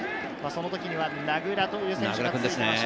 その時には名倉という選手がいました。